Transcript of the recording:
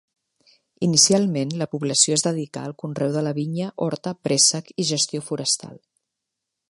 Inicialment, la població es dedicà al conreu de la vinya, horta, préssec i gestió forestal.